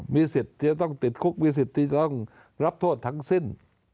มีสิทธิ์ที่จะต้องติดคุกมีสิทธิ์ที่จะต้องรับโทษทั้งสิ้น